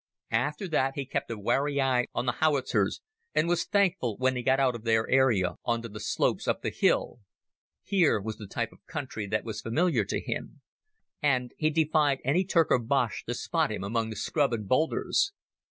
After that he kept a wary eye on the howitzers, and was thankful when he got out of their area on to the slopes up the hill. Here was the type of country that was familiar to him, and he defied any Turk or Boche to spot him among the scrub and boulders.